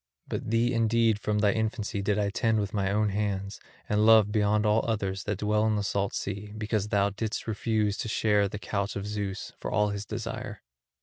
But thee indeed from thy infancy did I tend with my own hands and love beyond all others that dwell in the salt sea because thou didst refuse to share the couch of Zeus, for all his desire.